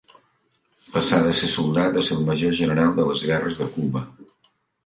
Passà de ser soldat a ser el major general de les guerres de Cuba.